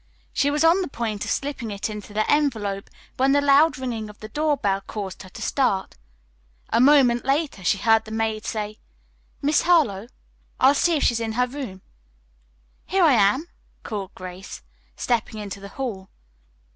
She was on the point of slipping it into the envelope when the loud ringing of the door bell caused her to start. A moment later she heard the maid say: "Miss Harlowe? I'll see if she's in her room." "Here I am," called Grace, stepping into the hall.